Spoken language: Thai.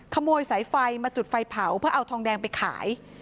ขโมยสายไฟมาจุดไฟเผาเพื่อเอาทองแดงไปขาย